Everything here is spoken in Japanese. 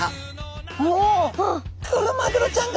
うおクロマグロちゃんが！